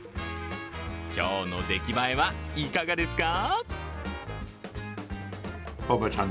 今日の出来ばえはいかがですか？